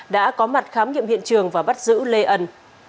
đã có mặt khám nghiệm hiện trường và bắt giữ lê ân